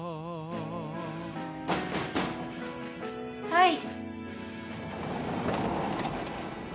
はい。